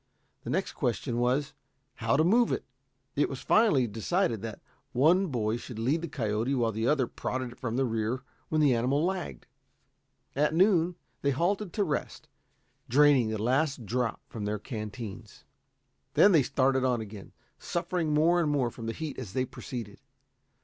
The next question was, how to move it. It was finally decided that one boy should lead the coyote while the other prodded it from the rear when the animal lagged. At noon they halted to rest, draining the last drop from their canteens. Then they started on again, suffering more and more from the heat as they proceeded.